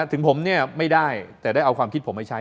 ถึงผมไม่ได้แต่ได้เอาความคิดผมให้ใช้